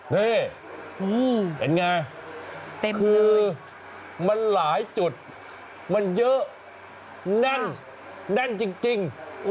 นี่เป็นไงคือมันหลายจุดมันเยอะแน่นแน่นจริง